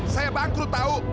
saya bangkrut tahu